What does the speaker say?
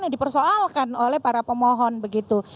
yang dipersoalkan oleh para pemohon begitu